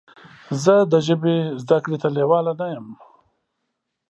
زه د ژبې زده کړې ته لیواله نه یم.